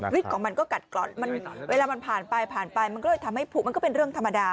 ของมันก็กัดกร่อนเวลามันผ่านไปผ่านไปมันก็เลยทำให้ผูมันก็เป็นเรื่องธรรมดา